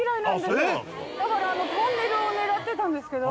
だからトンネルを狙ってたんですけど。